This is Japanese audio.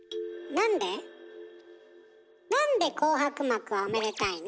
なんで紅白幕はおめでたいの？